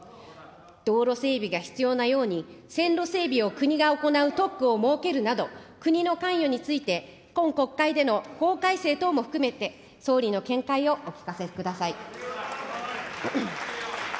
道路整備が必要なように、線路整備を国が行う特区を設けるなど、国の関与について、今国会での法改正等も含めて、総理の見解をお聞かせください。